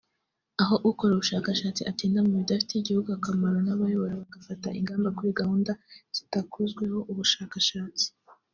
aho ukora ubushakashatsi atinda mu bidafitiye igihugu akamaro n’abayobora bagafata ingamba kuri gahunda zitakozweho ubushakashatsi